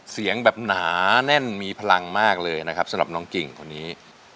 เสียงแบบหนาแน่นมีพลังมากเลยนะครับสำหรับน้องกิ่งคนนี้